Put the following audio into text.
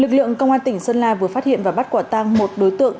lực lượng công an tỉnh sơn la vừa phát hiện và bắt quả tăng một đối tượng